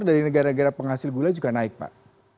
dari negara negara penghasil gula juga naik pak